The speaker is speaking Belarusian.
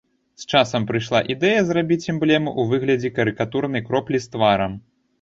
З часам прыйшла ідэя зрабіць эмблему ў выглядзе карыкатурнай кроплі з тварам.